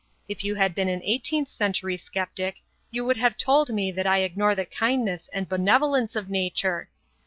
If you had been an eighteenth century sceptic you would have told me that I ignore the kindness and benevolence of nature.